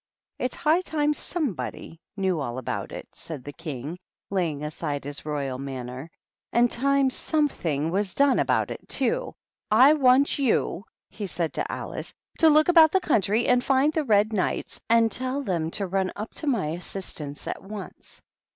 "It's high time somebody knew all about it," said the Bang, laying aside his royal manner, " and time something was done about it, too. I want you," he said to Alice, "to look about the country and find the Red Ejiights, and tell them to run up to my assistance at once.